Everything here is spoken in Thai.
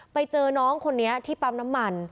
ไปเจอน้องคนนี้ที่ปั๊มน้ำมัน